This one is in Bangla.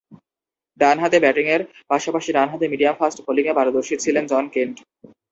ডানহাতে ব্যাটিংয়ের পাশাপাশি ডানহাতে মিডিয়াম-ফাস্ট বোলিংয়ে পারদর্শী ছিলেন জন কেন্ট।